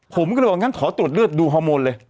ผมก็เลยบอกงั้นขอตรวจเลือดดูฮอร์โมนเลย